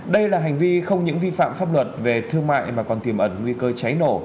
đây là hành vi không những vi phạm pháp luật về thương mại mà còn tiềm ẩn nguy cơ cháy nổ